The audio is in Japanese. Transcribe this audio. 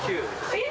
えっ？